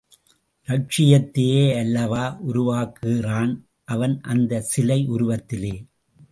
லக்ஷியத்தையே அல்லவா உருவாக்குகிறான் அவன் அந்த சிலை உருவத்திலே.